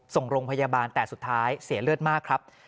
ส่งโรงพยาบาลแต่สุดท้ายเสียเลือดมากครับ